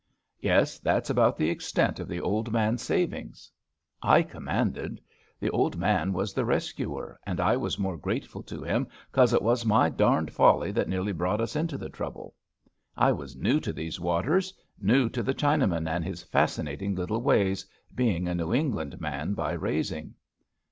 Yes; that's about the extent of the old man's savings. 1 commanded. The old man was the rescuer, and I was more grateful to him 'cause it was my darned folly that nearly brought us into the trouble. I was new to these waters, new to the Chinaman and his fascinating little ways, being a New England man by raising.